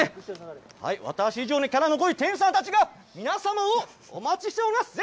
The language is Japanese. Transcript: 私以上にキャラの濃い店主さんたちが皆さまをお待ちしています。